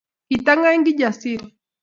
Kitangany Kijasiri